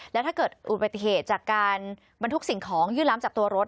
แล้วถ้าเกิดอุบัติเหตุจากการบรรทุกสิ่งของยื่นล้ำจากตัวรถ